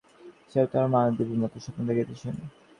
সে-ও তাহার মা ও দিদির মতো স্বপ্ন দেখিতে শিখিয়াছে।